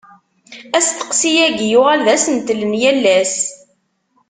Asteqsi-agi, yuɣal d asentel n yal ass.